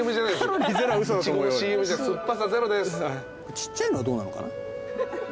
ちっちゃいのはどうなのかな。